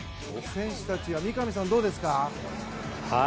選手たちは三上さん、どうですか？